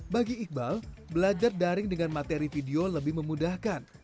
bagi iqbal belajar daring dengan materi video lebih memudahkan